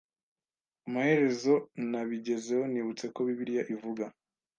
Amaherezo nabigezeho. Nibutse ko Bibiliya ivuga